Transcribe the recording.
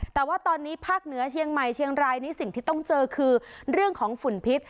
แต่ว่าตอนนี้ภาคเหนือเชียงใหม่เชียงรายนี้สิ่งที่ต้องเจอคือเรื่องของฝุ่นพิษ